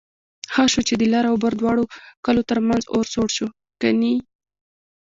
ښه شو چې د لر او بر دواړو کلو ترمنځ اور سوړ شو کني...